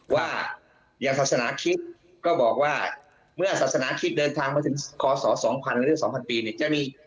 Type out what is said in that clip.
ว่าอย่างศาสนาคิดก็บอกว่าเมื่อศาสนาคิดเดินทางมาถึงขอสอ๒๐๐๐ปี